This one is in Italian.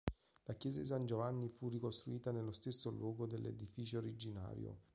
La chiesa di San Giovanni fu ricostruita nello stesso luogo dell'edificio originario.